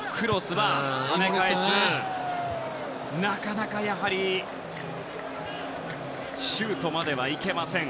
なかなかシュートまではいけません。